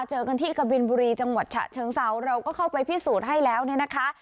เจอกันที่กะบินบุรีจังหวัดฉะเชิงเซาเราก็เข้าไปพิสูจน์ให้แล้วเนี่ยนะคะ